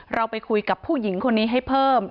เราไปคุยกับผู้หญิงคนนี้ให้เพิ่ม